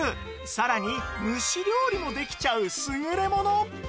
さらに蒸し料理もできちゃう優れもの！